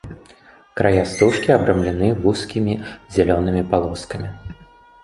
Края стужкі абрамлены вузкімі зялёнымі палоскамі.